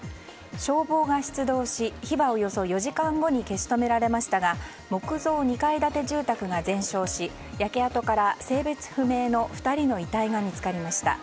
消防が出動し火はおよそ４時間後に消し止められましたが木造２階建て住宅が全焼し焼け跡から、性別不明の２人の遺体が見つかりました。